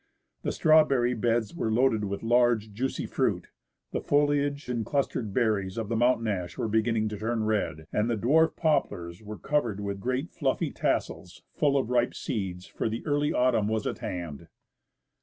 The strawberry beds were loaded with large juicy fruit, the foliage and clustered berries of the mountain ash were beginning to turn red, and the dwarf poplars were covered with great fluffy tassels full of ripe seeds, for the early autumn was at hand.